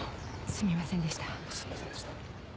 すみませんでした。